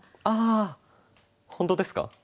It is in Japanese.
ああ本当ですか？